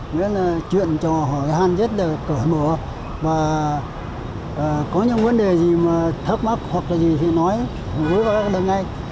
nghĩa là chuyện trò hỏi hàn rất là cỡ mỡ và có những vấn đề gì mà thắc mắc hoặc là gì thì nói với các đồng ngay